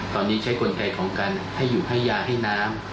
ตอนนี้ใช้กลไกของกันให้อยู่ให้ยาให้น้ำ